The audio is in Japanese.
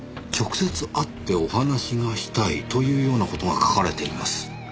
「直接会ってお話がしたい」というような事が書かれています。